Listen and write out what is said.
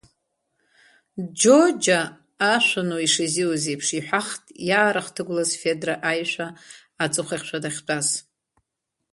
Џьоџьа ашәануа ишизиуз еиԥш, иҳәахт иаарыхҭыгәлаз Федра аишәа аҵыхәахьшәа дахьтәаз.